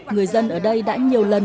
người dân ở đây đã nhiều lần